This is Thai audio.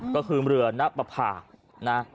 ก็คือเรือณปภานะ